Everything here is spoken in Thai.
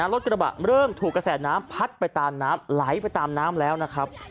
รถกระบะเริ่มถูกกระแสน้ำพัดไปตามน้ำไหลไปตามน้ำแล้วนะครับ